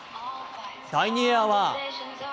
第２エアは。